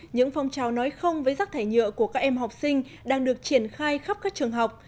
những phong trào nói không với rắc thải nhựa của các em học sinh đang được triển khai khắp các trường học